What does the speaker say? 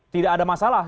tidak ada masalah